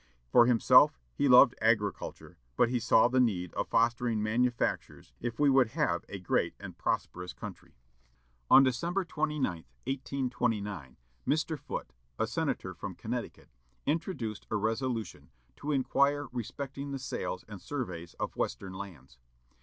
For himself, he loved agriculture, but he saw the need of fostering manufactures if we would have a great and prosperous country. On December 29, 1829, Mr. Foote, a senator from Connecticut, introduced a resolution to inquire respecting the sales and surveys of western lands.